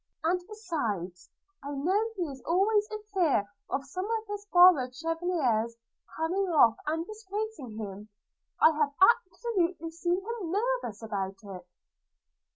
– and, besides, I know he is always in fear of some of this borrowed chevelure's coming off, and disgracing him; I have absolutely seen him nervous about it.'